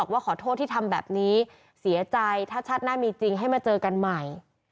ว่าขอโทษที่ทำแบบนี้เสียใจถ้าชาติหน้ามีจริงให้มาเจอกันใหม่